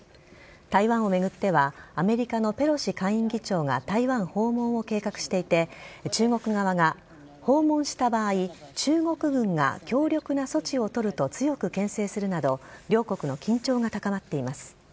台湾を巡ってはアメリカのペロシ下院議長が台湾訪問を計画していて中国側が訪問した場合中国軍が強力な措置を取ると強くけん制するなど両国の緊張が高まっています。